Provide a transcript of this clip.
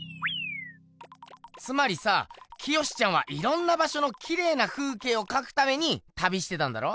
つまりさ清ちゃんはいろんなばしょのきれいな風景をかくために旅してたんだろ？